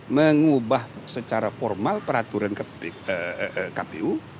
mengubah secara formal peraturan kpu